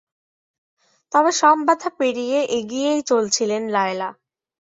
তবে সব বাধা পেরিয়ে এগিয়েই চলছিলেন লায়লা।